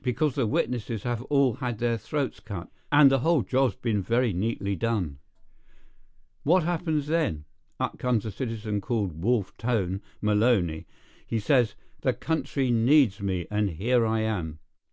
—because the witnesses have all had their throats cut, and the whole job's been very neatly done. What happens then? Up comes a citizen called Wolf Tone Maloney; he says, 'The country needs me, and here I am.